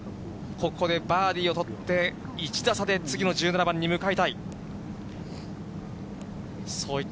ここでバーディーを取って、１打差で次の１７番に向かいたい。